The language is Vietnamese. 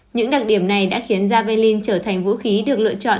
những đặc điểm này đã khiến jalin trở thành vũ khí được lựa chọn